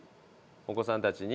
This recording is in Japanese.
お子さんたちに？